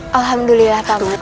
alhamdulillah pak mas